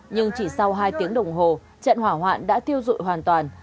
nhưng chỉ sau hai tiếng đồng hồ trận hỏa hoạn đã thiêu dụi hoàn toàn